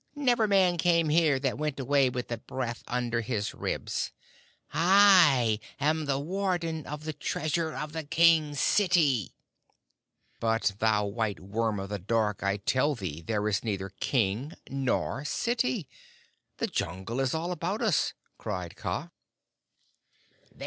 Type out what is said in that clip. Never Man came here that went away with the breath under his ribs. I am the Warden of the Treasure of the King's City!" "But, thou white worm of the dark, I tell thee there is neither king nor city! The Jungle is all about us!" cried Kaa.